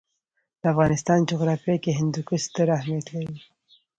د افغانستان جغرافیه کې هندوکش ستر اهمیت لري.